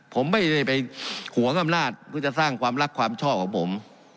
ผมไม่เน่ที่จะไปห่วงอำนาจก็จะสร้างความรักความชอบของผม